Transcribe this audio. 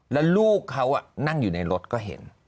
แล้วลูกเขานั่งอยู่ในรถก็เห็น